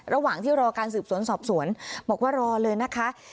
ระหว่างที่รอการสืบสวนสอบสวนบอกว่ารอเลยนะคะ